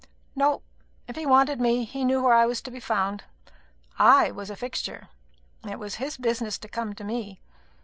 "No. If he wanted me, he knew where I was to be found. I was a fixture. It was his business to come to me.